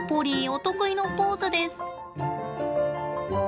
お得意のポーズです。